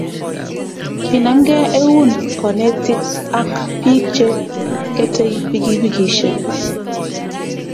kinamgei eun konetik ak biik che ketei pikipikisiek.